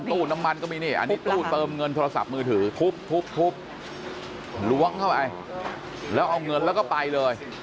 ตู้น้ำมันก็มีนี่อันนี้ตู้เติมเงินโทรศัพท์มือถือทุบทุบล้วงเข้าไปแล้วเอาเงินแล้วก็ไปเลย